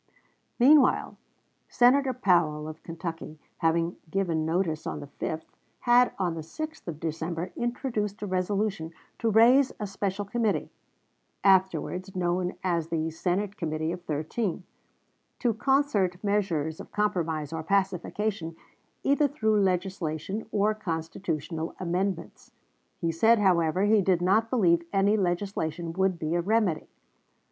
Meanwhile, Senator Powell, of Kentucky, having given notice on the 5th, had on the 6th of December introduced a resolution to raise a special committee (afterwards known as the Senate Committee of Thirteen) to concert measures of compromise or pacification, either through legislation or Constitutional amendments. He said, however, he did not believe any legislation would be a remedy.